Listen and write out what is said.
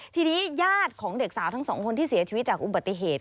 ทีนี้ญาติของเด็กสาวทั้งสองคนที่เสียชีวิตจากอุบัติเหตุ